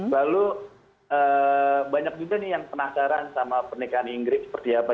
lalu banyak juga nih yang penasaran sama pernikahan inggris seperti apa